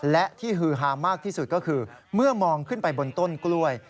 และที่ฮือฮามากที่สุดก็คือเมื่อมองขึ้นไปบนต้นกล้วย